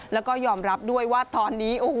และยอมรับด้วยว่าตอนนี้